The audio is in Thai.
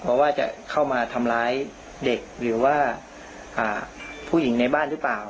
เพราะว่าจะเข้ามาทำร้ายเด็กหรือว่าผู้หญิงในบ้านหรือเปล่า